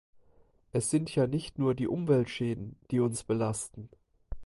Es sind ja nicht nur die Umweltschäden, die uns belasten.